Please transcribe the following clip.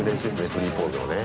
フリーポーズのね。